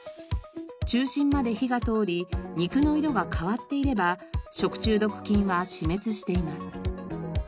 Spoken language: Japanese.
中心まで火が通り肉の色が変わっていれば食中毒菌は死滅しています。